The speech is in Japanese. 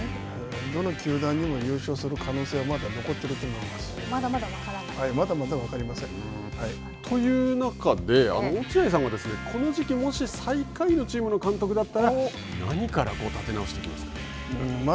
どの球団にも優勝する可能性はままだまだ分からない？という中で、落合さんがこの時期、もし最下位のチームの監督だったら、何から立て直していきま